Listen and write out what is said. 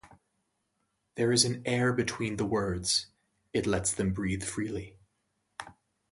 There is an air between the words; it lets them breathe freely.